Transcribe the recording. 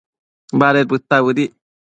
baded neta bëdic